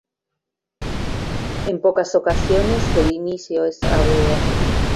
En pocas ocasiones el inicio es agudo.